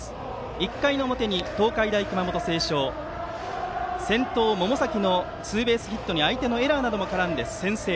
１回の表に東海大熊本星翔先頭、百崎のツーベースヒットに相手のエラーなども絡んで先制。